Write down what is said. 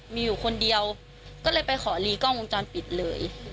มีอยู่คนเดียวก็เลยไปขอลีกล้องวงจรปิดเลย